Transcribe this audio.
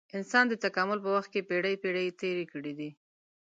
انسان د تکامل په وخت کې پېړۍ پېړۍ تېرې کړې دي.